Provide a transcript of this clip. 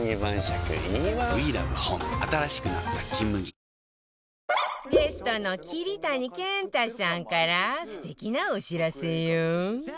本麒麟ゲストの桐谷健太さんから素敵なお知らせよ